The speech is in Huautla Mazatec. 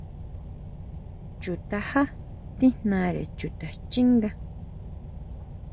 Chu tajá tíjnare chuta xchínga.